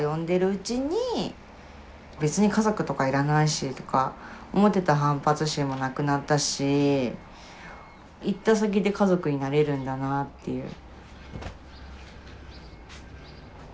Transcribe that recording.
うちに別に家族とかいらないしとか思ってた反発心もなくなったし行った先で家族になれるんだなっていう。